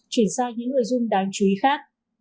chuyển sang những nội dung đáng chú ý khác